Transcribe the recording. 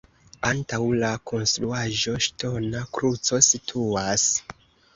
Antaŭ la konstruaĵo ŝtona kruco situas.